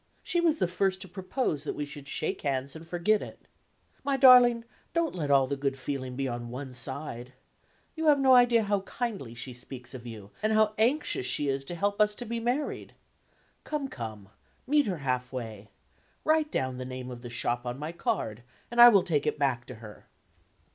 She was the first to propose that we should shake hands and forget it. My darling, don't let all the good feeling be on one side. You have no idea how kindly she speaks of you, and how anxious she is to help us to be married. Come! come! meet her half way. Write down the name of the shop on my card, and I will take it back to her."